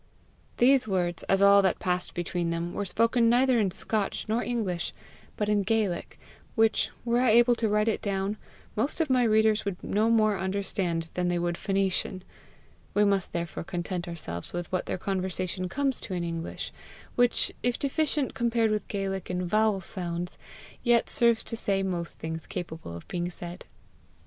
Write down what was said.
These words, as all that passed between them, were spoken neither in Scotch nor English, but in Gaelic which, were I able to write it down, most of my readers would no more understand than they would Phoenician: we must therefore content ourselves with what their conversation comes to in English, which, if deficient compared with Gaelic in vowel sounds, yet serves to say most things capable of being said.